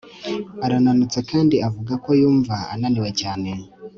arananutse kandi avuga ko yumva ananiwe cyane